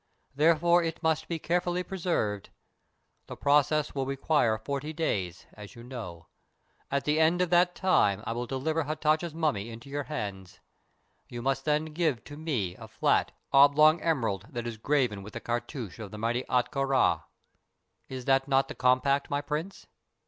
Therefore it must be carefully preserved. The process will require forty days, as you know. At the end of that time I will deliver Hatatcha's mummy into your hands. You must then give to me a flat, oblong emerald that is graven with the cartouch of the mighty Ahtka Rā. Is not that the compact, my prince?"